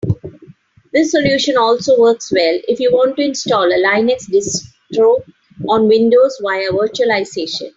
This solution also works well if you want to install a Linux distro on Windows via virtualization.